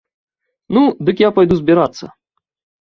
Ну, дык я пайду збірацца.